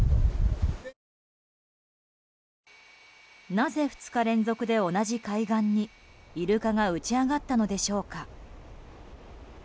なぜ２日連続で同じ海岸にイルカが打ち揚がったのでしょうか。